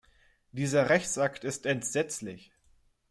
Dieser Rechtsakt ist entsetzlich.